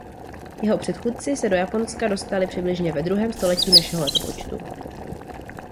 Jeho předchůdci se do Japonska dostali přibližně ve druhém století našeho letopočtu.